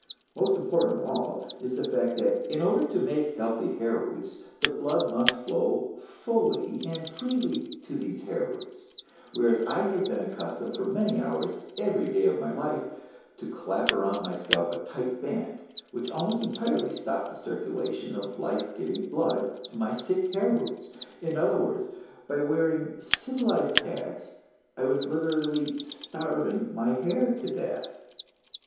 Most important of all is the fact that in order to make healthy hair roots the blood must flow fully and freely to these hair roots; whereas I had been accustomed for many hours every day of my life to clap around my scalp a tight band which almost entirely stopped the circulation of the life giving blood to my sick hair roots. In other words, by wearing civilized hats, I was literally starving my hair to death.